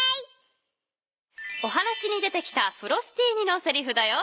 お話に出てきたフロスティーニのせりふだよ。